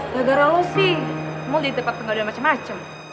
ya gara lo sih mau ditepak pengadilan macem macem